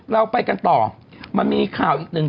เราไปกันต่อมันมีข่าวอีกหนึ่ง